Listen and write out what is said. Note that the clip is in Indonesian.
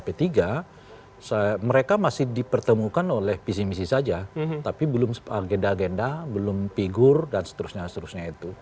pertama mereka masih dipertemukan oleh visi visi saja tapi belum agenda agenda belum figur dan seterusnya